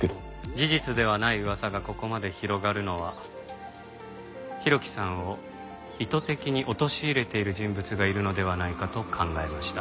事実ではない噂がここまで広がるのは浩喜さんを意図的に陥れている人物がいるのではないかと考えました。